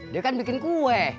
dia kan bikin kue